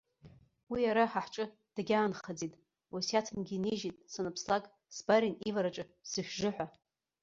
Уи ара ҳа ҳҿы дагьаанхаӡеит, уасиаҭынгьы инижьит санԥслак сбарин ивараҿы сышәжы ҳәа.